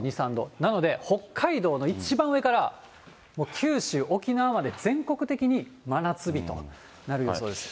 なので、北海道の一番上からもう九州、沖縄まで全国的に真夏日となる予想です。